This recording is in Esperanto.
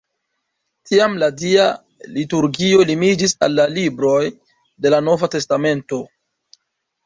Tiam la Dia liturgio limiĝis al la libroj de la Nova Testamento.